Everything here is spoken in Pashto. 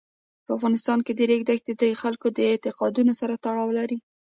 په افغانستان کې د ریګ دښتې د خلکو د اعتقاداتو سره تړاو لري.